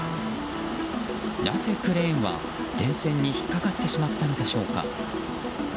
なぜクレーンは電線に引っかかってしまったのでしょうか。